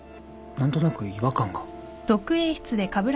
何となく違和感が。